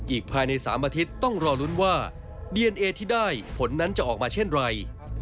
อีกภายใน๓อาทิตย์ต้องรอลุ้นว่าดีเอนเอที่ได้ผลนั้นจะออกมาเช่นไร